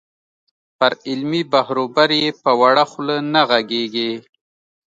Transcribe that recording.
پر علمي بحروبر یې په وړه خوله نه غږېږې.